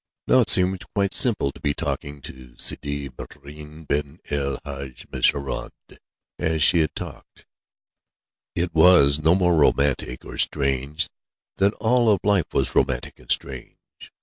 Now, it seemed quite simple to be talking with Sidi Maïeddine ben el Hadj Messaoud as she had talked. It was no more romantic or strange than all of life was romantic and strange.